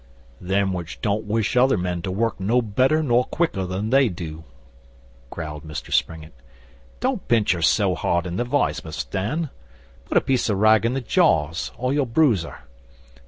'Them which don't wish other men to work no better nor quicker than they do,' growled Mr Springett. 'Don't pinch her so hard in the vice, Mus' Dan. Put a piece o' rag in the jaws, or you'll bruise her.